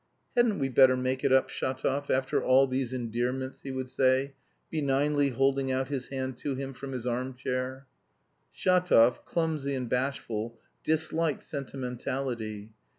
"Hadn't we better make it up, Shatov, after all these endearments," he would say, benignly holding out his hand to him from his arm chair. Shatov, clumsy and bashful, disliked sentimentality.